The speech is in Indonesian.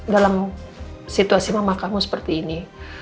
dalam situasi mama kamu seperti ini